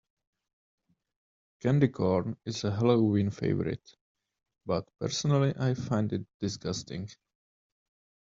Candy corn is a Halloween favorite, but personally I find it disgusting.